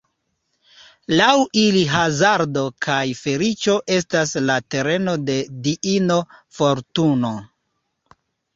Laŭ ili hazardo kaj feliĉo estas la tereno de diino Fortuno.